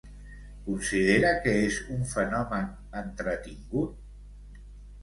Considera que és un fenomen entretingut?